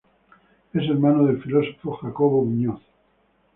Es hermano del filósofo Jacobo Muñoz.